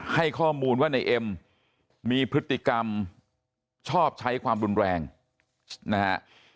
ให้ข้อมูลว่าในเอ็มมีพฤติกรรมชอบใช้ความรุนแรงนะฮะ